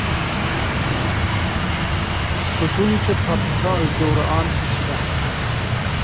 ستونی که پاپیتال دور آن پیچیده است.